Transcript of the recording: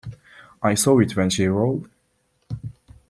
I saw it when she rolled.